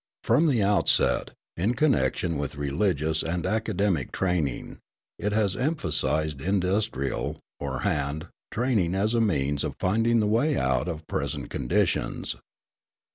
From the outset, in connection with religious and academic training, it has emphasised industrial, or hand, training as a means of finding the way out of present conditions.